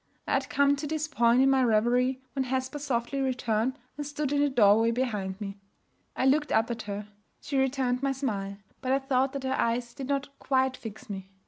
I had come to this point in my revery when Hesper softly returned and stood in the doorway behind me. I looked up at her. She returned my smile, but I thought that her eyes did not quite fix me.